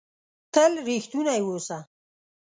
تل ریښتونی اووسه!